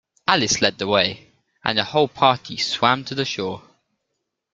Alice led the way, and the whole party swam to the shore.